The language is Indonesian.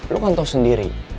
lo kan tau sendiri